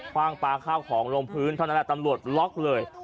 ว่างปลาข้าวของลงพื้นเท่านั้นแหละตำรวจล็อกเลย